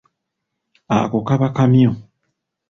Ako kaba kamyu.